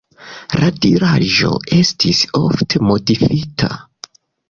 La diraĵo estis ofte modifita.